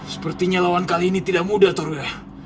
sepertinya lawan kali ini tidak mudah taruna